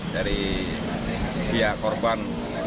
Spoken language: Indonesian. dari pihak korban